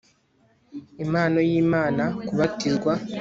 impano y imana kubatizwa